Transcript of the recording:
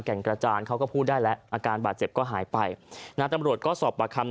กระจานเขาก็พูดได้แล้วอาการบาดเจ็บก็หายไปนะตำรวจก็สอบปากคำ